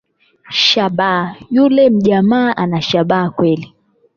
Shabaha…Yule mjamaa ana shaba kweli